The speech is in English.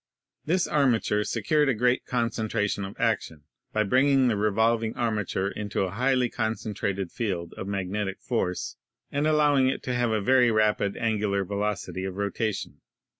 This armature secured a great concentration of action by bringing the revolving armature into a highly concen trated field of magnetic force and allowing it to have a very rapid angular velocity of rotation.